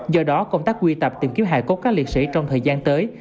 do đó công tác quy tập tìm kiếm hải cốt các liệt sĩ trong thời gian tới